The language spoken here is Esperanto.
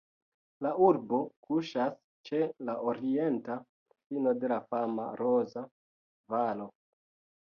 La urbo kuŝas ĉe la orienta fino de la fama Roza Valo.